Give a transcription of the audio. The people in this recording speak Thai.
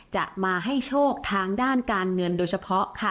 จะมาให้โชคทางด้านการเงินโดยเฉพาะค่ะ